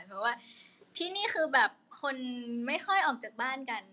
เพราะว่าที่นี่คือแบบคนไม่ค่อยออกจากบ้านกัน